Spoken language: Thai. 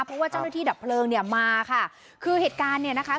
เพราะว่าเจ้าหน้าที่ดับเพลิงเนี่ยมาค่ะคือเหตุการณ์เนี่ยนะคะ